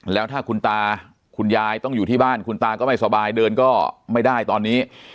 แล้วถ้าคุณตาคุณยายต้องอยู่ที่บ้านคุณตาก็ไม่สบายเดินก็ไม่ได้ตอนนี้